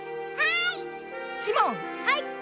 はい！